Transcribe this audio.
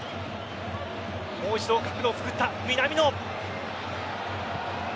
もう一度角度を作った南野。